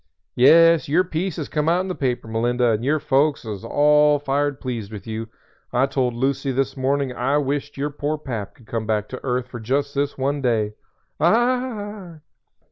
"Yes, your piece has come out in the paper, Melinda, and your folks are all fired pleased with you. I told Lucy this morning I wisht your poor Pap could come back to earth for just this one day." "Ah h!"